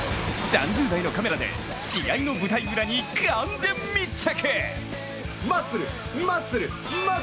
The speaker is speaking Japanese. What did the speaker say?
３０台のカメラで試合の舞台裏に完全密着。